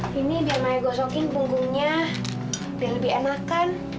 bu ini biar maya gosokin punggungnya biar lebih enakan